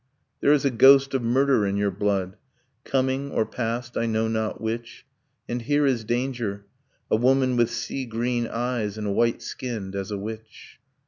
'There is a ghost of murder in your blood Coming or past, I know not which. And here is danger a woman with sea green eyes, And white skinned as a witch